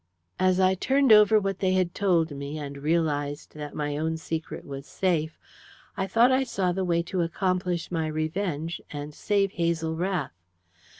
"As I turned over what they had told me and realized that my own secret was safe, I thought I saw the way to accomplish my revenge and save Hazel Rath.